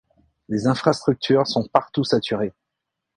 Les infrastructures sont partout saturées.